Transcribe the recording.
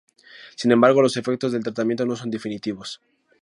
Sin embargo, los efectos del tratamiento no son definitivos.